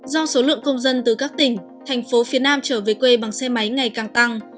do số lượng công dân từ các tỉnh tp hcm trở về quê bằng xe máy ngày càng tăng